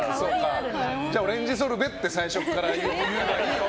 じゃあ、オレンジソルベって最初から言えば。